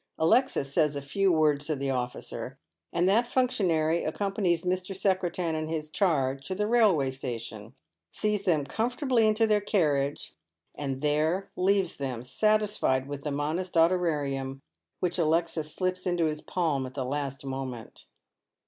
Alexis says a few words to the officer, and that functionary accompanies Mr. Secretan and his charge to the railway station, sees them comfortably into their carriage, and there leaves them, satisfied witn the modest honorarium which Alexis slips into his palm at tne last moment.